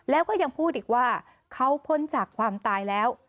แล้วก็ยังพูดอีกว่าเขาพ้นจากความตายแล้ว